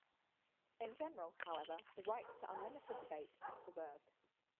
In general, however, the right to unlimited debate is preserved.